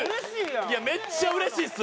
いやめっちゃ嬉しいっす！